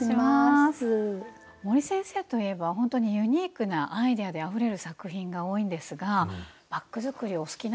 森先生といえばほんとにユニークなアイデアであふれる作品が多いんですがバッグ作りはお好きなんですか？